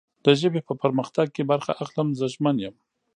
د ژبې په پرمختګ کې برخه اخلم. زه ژمن یم